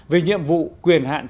về nhiệm vụ quyền hạn